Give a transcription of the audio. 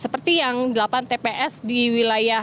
seperti yang delapan tps di wilayah